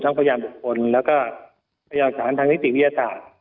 ท่านยานประกันแล้วก็พยาศาสตร์ทางฤยสาร